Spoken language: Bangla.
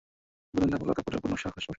প্রথম ধাপ হল কাপড়ের ওপর নকশার খসড়া বসানো।